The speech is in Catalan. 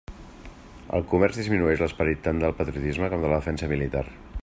El comerç disminueix l'esperit tant del patriotisme com de la defensa militar.